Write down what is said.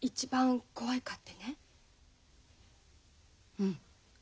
うん。